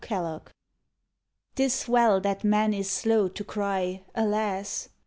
KELLOGG 'Tis well, that man is slow to cry "Alas!"